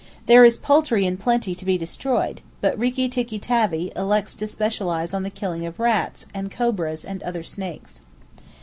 There is poultry in plenty to be destroyed, but "Rikki Tikki Tavi" elects to specialize on the killing of rats, and cobras, and other snakes.